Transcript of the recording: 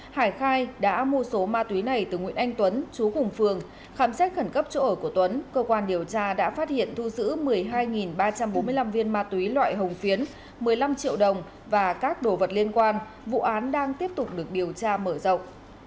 hải khai đã mua số ma túy này từ nguyễn anh tuấn chú cùng phường khám xét khẩn cấp chỗ ở của tuấn cơ quan điều tra đã phát hiện thu giữ một mươi hai ba trăm bốn mươi năm viên ma túy loại hồng phiến một mươi năm triệu đồng và các đồ vật liên quan vụ án đang tiếp tục được điều tra mở rộng